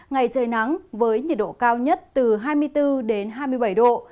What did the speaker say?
ngày trời nắng với nhiệt độ cao nhất từ hai mươi bốn hai mươi bảy độ